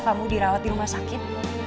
kamu dirawat di rumah sakit